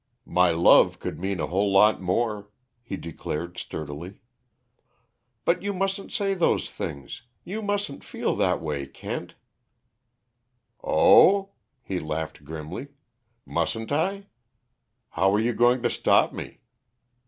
"My love could mean a whole lot more," he declared sturdily. "But you mustn't say those things you mustn't feel that way, Kent!" "Oh!" He laughed grimly. "Mustn't I? How are you going to stop me?"